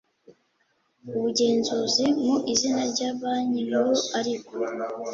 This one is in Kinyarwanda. ubugenzuzi mu izina rya banki nkuru ariko